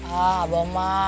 ah abah ma